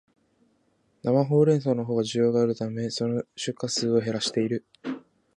生ホウレンソウのほうが需要があるため、その出荷数を減らしている